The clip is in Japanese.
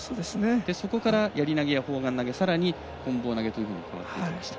そこからやり投げや砲丸投げさらにこん棒投げというふうに変わっていきました。